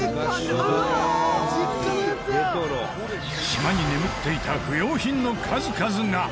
島に眠っていた不要品の数々が。